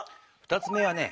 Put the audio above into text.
２つ目はね